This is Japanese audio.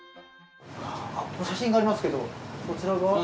写真がありますけどこちらが？